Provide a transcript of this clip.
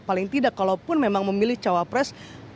paling tidak kalau pun memang memilih cawa pres